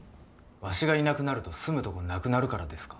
わしがいなくなると住むとこなくなるからですか？